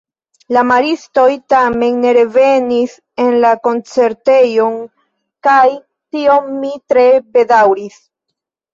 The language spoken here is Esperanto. La maristoj tamen ne revenis en la koncertejon kaj tion mi tre bedaŭris.